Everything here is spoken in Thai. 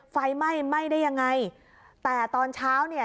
ไฟไหม้ไหม้ได้ยังไงแต่ตอนเช้าเนี่ย